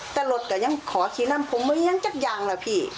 จะหลบก็ยังขอขี้น้ำผมไว้อย่างจัดอย่างแล้วพี่